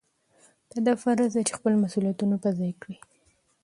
په ده فرض دی چې خپل مسؤلیتونه په ځای کړي.